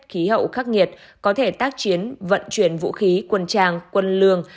khí hậu khắc nghiệt có thể tác chiến vận chuyển vũ khí quân trang quân lương